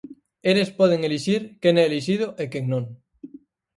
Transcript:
Eles poden elixir quen é elixido e quen non.